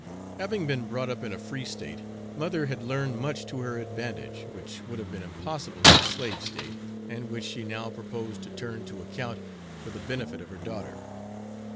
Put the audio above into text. Having been brought up in a free State, mother had learned much to her advantage, which would have been impossible in a slave State, and which she now proposed to turn to account for the benefit of her daughter.